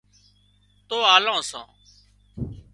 تو آلان سان